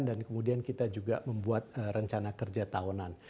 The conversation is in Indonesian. dan kemudian kita juga membuat rencana kerja tahunan